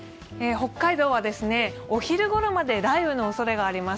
北海道はお昼頃まで雷雨のおそれがあります。